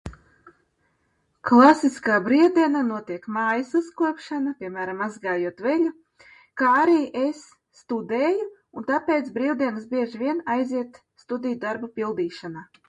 Klasiskajā brīvdienā notiek mājas uzkopšana, piemēram, mazgājot veļu. Kā arī es studēju un tāpēc brīvdienas bieži vien aiziet studiju darbu pildīšanā.